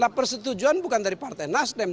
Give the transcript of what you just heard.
nah persetujuan bukan dari partai nasdem